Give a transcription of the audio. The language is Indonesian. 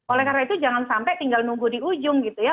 oleh karena itu jangan sampai tinggal nunggu di ujung gitu ya